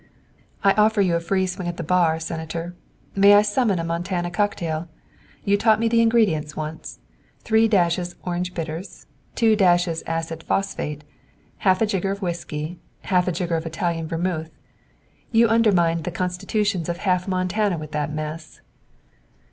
"I offer you free swing at the bar, Senator. May I summon a Montana cocktail? You taught me the ingredients once three dashes orange bitters; two dashes acid phosphate; half a jigger of whisky; half a jigger of Italian vermuth. You undermined the constitutions of half Montana with that mess."